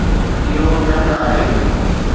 اهو چنڊ آهي